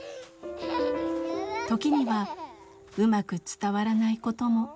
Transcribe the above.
時にはうまく伝わらないことも。